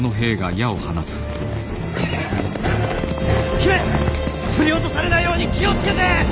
姫振り落とされないように気を付けて！